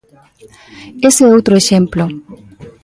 Ese é outro exemplo.